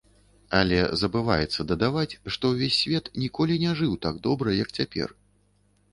Але забываецца дадаваць, што ўвесь свет ніколі не жыў так добра, як цяпер.